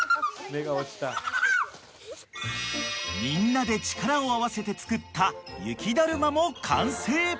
［みんなで力を合わせて作った雪だるまも完成］